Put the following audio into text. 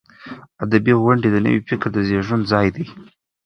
ادبي غونډې د نوي فکر د زیږون ځای دی.